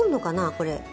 これ。